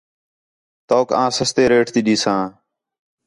توک آں سستے ریٹ تی ݙیساں